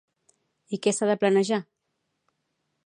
I què s'ha de planejar?